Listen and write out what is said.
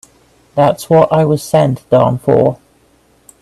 That's what I was sent down for.